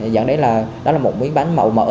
dẫn đến là đó là một miếng bánh màu mỡ